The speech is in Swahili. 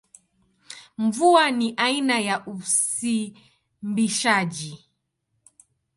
Mvua ni aina ya usimbishaji.